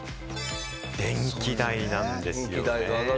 電気代なんですよ。